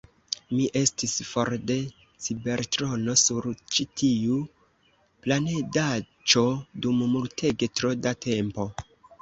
Mi estis for de Cibertrono sur ĉi tiu planedaĉo dum multege tro da tempo!